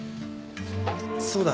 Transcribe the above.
そうだ。